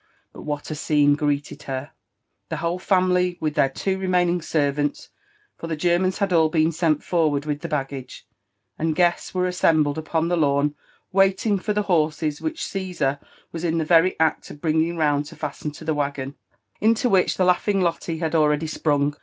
Qu^ what a scene gipoeted j^.er I — The whole family, with their two remainiAg servants (for (be Germans had all be^nsenl forward with (he baggage), and gue^were assembled upoj) the lawn, wailing for the tuMTses which C^eiisar was in the very act of bringing rotund lo fasten lo the waggoo iulQ which tha laughing LoUe had already sprur\g.